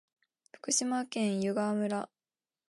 福島県湯川村